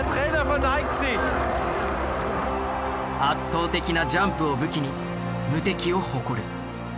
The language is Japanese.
圧倒的なジャンプを武器に無敵を誇る。